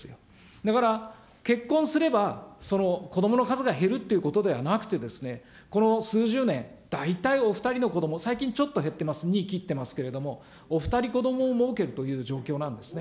だから、結婚すればこどもの数が減るっていうことではなくて、この数十年、大体お２人の子ども、最近、ちょっと減ってます、２切ってますけれども、お２人こどもをもうけるという状況なんですね。